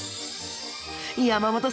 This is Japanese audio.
山本さん